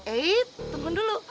eh tunggu dulu